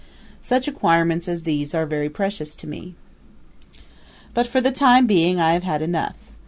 Such acquirements as these are very precious to me. But for the time being I have had enough.